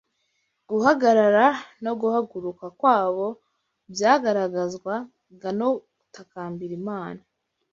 Guhagarara no guhaguruka kwabo byagaragazwaga no gutakambira Imana